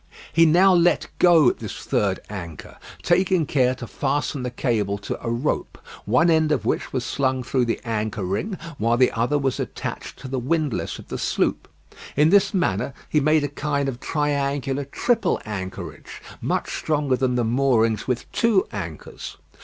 He now let go this third anchor, taking care to fasten the cable to a rope, one end of which was slung through the anchor ring, while the other was attached to the windlass of the sloop. In this manner he made a kind of triangular, triple anchorage, much stronger than the moorings with two anchors.